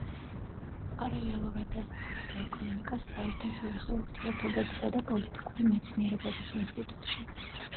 პარალელურად ასწავლიდა ეკონომიკას საერთაშორისო ურთიერთობებისა და პოლიტიკური მეცნიერებების ინსტიტუტში.